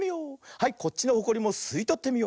はいこっちのホコリもすいとってみよう。